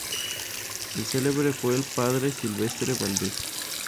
El celebrante fue el Padre Silvestre Valdez.